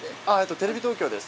テレビ東京です。